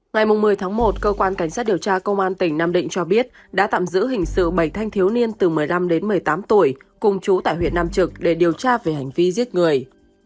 ngày một mươi tháng một cơ quan cảnh sát điều tra công an tỉnh nam định cho biết đã tạm giữ hình sự bảy thanh thiếu niên từ một mươi năm đến một mươi tám tuổi cùng chú tại huyện nam trực để điều tra về hành vi giết người